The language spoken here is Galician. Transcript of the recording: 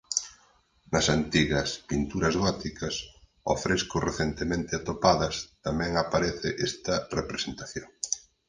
Nas antigas pinturas góticas ó fresco recentemente atopadas tamén aparece esta representación.